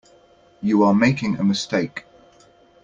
You are making a mistake.